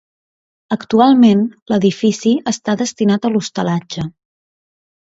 Actualment, l'edifici està destinat a hostalatge.